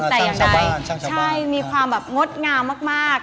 ช่างชาวบ้านใช่มีความงดงามมาก